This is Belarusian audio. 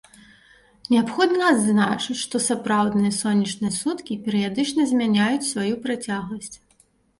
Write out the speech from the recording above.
Неабходна адзначыць, што сапраўдныя сонечныя суткі перыядычна змяняюць сваю працягласць.